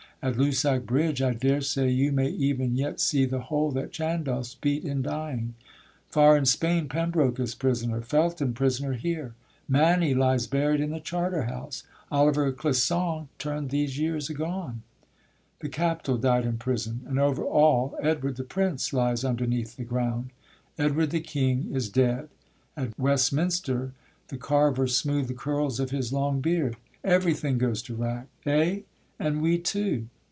At Lusac bridge I daresay you may even yet see the hole That Chandos beat in dying; far in Spain Pembroke is prisoner; Phelton prisoner here; Manny lies buried in the Charterhouse; Oliver Clisson turn'd these years agone; The Captal died in prison; and, over all, Edward the prince lies underneath the ground, Edward the king is dead, at Westminster The carvers smooth the curls of his long beard. Everything goes to rack eh! and we too.